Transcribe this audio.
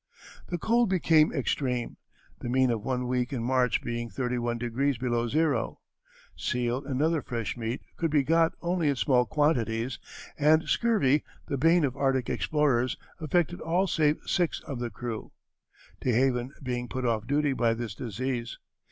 The cold became extreme, the mean of one week in March being thirty one degrees below zero; seal and other fresh meat could be got only in small quantities, and scurvy, the bane of Arctic explorers, affected all save six of the crew, DeHaven being put off duty by this disease.